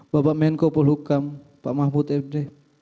bapak menko polhukam pak mahfuz fd